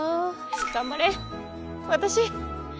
頑張れ私。